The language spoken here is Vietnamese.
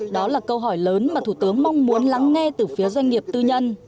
đó là câu hỏi lớn mà thủ tướng mong muốn lắng nghe từ phía doanh nghiệp tư nhân